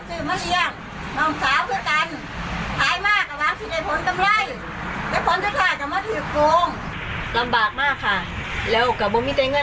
อ๋อเจ้าสีสุข่าวของสิ้นพอได้ด้วย